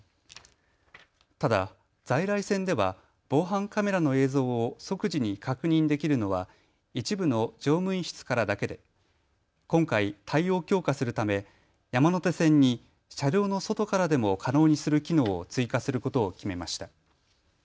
ただ在来線では防犯カメラの映像を即時に確認できるのは一部の乗務員室からだけで今回、対応を強化するため山手線に車両の外からでも可能にする機能を追加することを決めました。